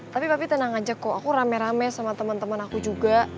tapi papi tenang aja kok aku rame rame sama temen temen aku juga